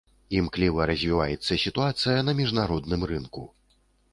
Імкліва развіваецца сітуацыя на міжнародным рынку.